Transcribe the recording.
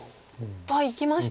あっいきました。